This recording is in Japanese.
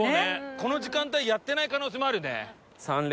この時間帯やってない可能性もあるよね。